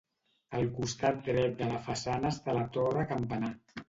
Al costat dret de la façana està la torre campanar.